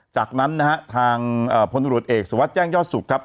จากนั้นนะฮะทางพลตรวจเอกสุวัสดิแจ้งยอดสุขครับ